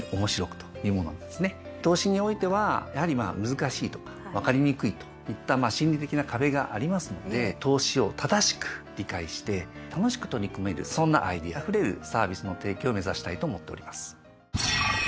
投資においてはやはり難しいとか分かりにくいといった心理的な壁がありますので投資を正しく理解して楽しく取り組めるそんなアイデアあふれるサービスの提供を目指したいと思っております。